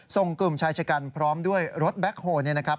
ส่งกลุ่มชายชะกันพร้อมด้วยรถแบ็คโฮลเนี่ยนะครับ